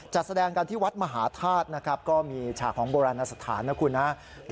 จัดแสดงกันที่วัดมหาธาตุนะครับก็มีฉากของโบราณสถานนะครับ